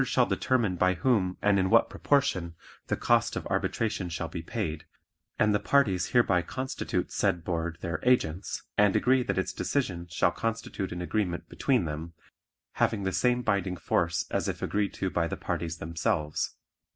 The Board shall determine by whom and in what proportion the cost of arbitration shall be paid, and the parties hereby constitute said Board their agents and agree that its decision shall constitute an agreement between them, having the same binding force as if agreed to by the parties themselves.